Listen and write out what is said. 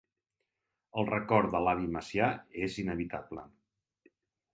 El record a l'avi Macià és inevitable.